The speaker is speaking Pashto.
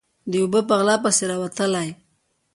_د اوبو په غلا پسې راوتلی.